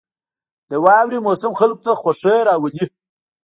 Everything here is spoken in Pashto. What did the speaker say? • د واورې موسم خلکو ته خوښي راولي.